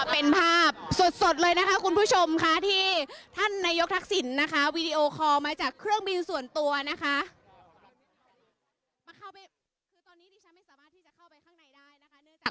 เป็นภาพสดเลยนะคะคุณผู้ชมค่ะที่ท่านนายกทักษิณนะคะวีดีโอคอลมาจากเครื่องบินส่วนตัวนะคะ